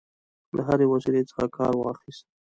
له هري وسیلې څخه کارواخیست.